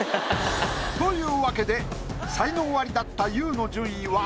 というわけで才能アリだったＹＯＵの順位は。